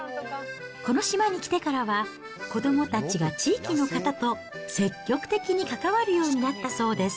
この島に来てからは、子どもたちが地域の方と積極的に関わるようになったそうです。